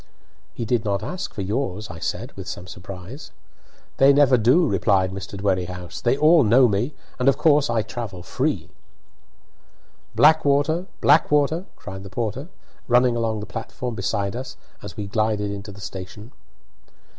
"He did not ask for yours," I said, with some surprise. "They never do," replied Mr. Dwerrihouse; "they all know me, and of course I travel free." "Blackwater! Blackwater!" cried the porter, running along the platform beside us as we glided into the station.